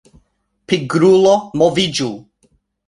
Pigrulo moviĝu!